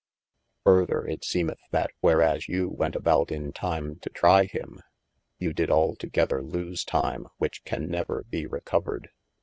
Further, it semeth that where as you went [ajbout in time to trie him, you did altogither loose time which can never be recovered.